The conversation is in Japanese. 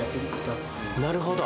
なるほど。